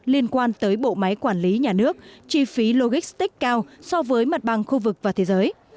liên quan tới bộ máy quản lý nhà nước chi phí logistics cao so với mặt bằng khu vực và thế giới